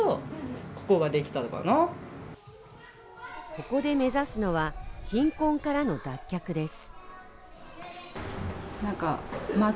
ここで目指すのは、貧困からの脱却です。